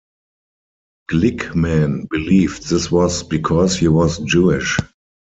Glickman believed this was because he was Jewish.